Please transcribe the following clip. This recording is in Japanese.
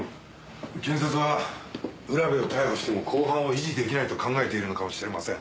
検察は浦部を逮捕しても公判を維持出来ないと考えているのかもしれません。